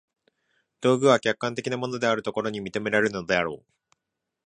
道具は客観的なものであるというところに認められるであろう。